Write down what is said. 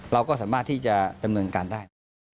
เราก็สามารถที่จะดำเนินการได้